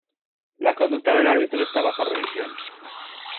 La conducta del árbitro está bajo revisión.